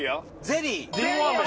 ゼリー